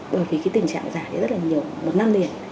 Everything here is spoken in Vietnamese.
bởi vì cái tình trạng giả này rất là nhiều một năm liền